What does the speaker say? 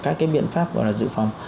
còn một cái viện pháp gọi là dự phòng